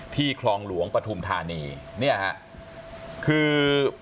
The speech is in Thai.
คลองหลวงปฐุมธานีเนี่ยฮะคือ